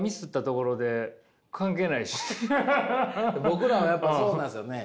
僕らはやっぱそうなんですよね。